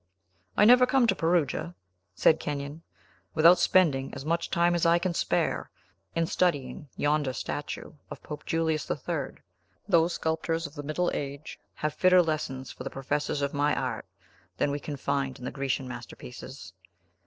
"I never come to Perugia," said Kenyon, "without spending as much time as I can spare in studying yonder statue of Pope Julius the Third. Those sculptors of the Middle Age have fitter lessons for the professors of my art than we can find in the Grecian masterpieces.